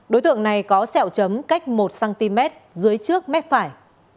đối tượng này có sẹo chấm cách một cm dưới trước mép phải